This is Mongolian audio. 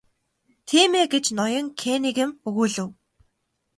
Тийм ээ гэж ноён Каннингем өгүүлэв.